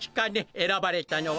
えらばれたのは。